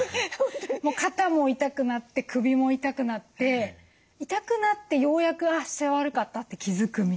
肩も痛くなって首も痛くなって痛くなってようやく「あ姿勢悪かった」って気付くみたいな感じです。